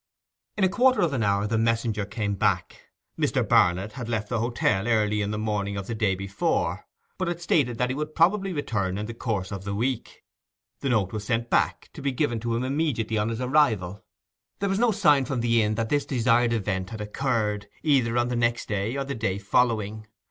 In a quarter of an hour the messenger came back. Mr. Barnet had left the hotel early in the morning of the day before, but he had stated that he would probably return in the course of the week. The note was sent back, to be given to him immediately on his arrival. There was no sign from the inn that this desired event had occurred, either on the next day or the day following.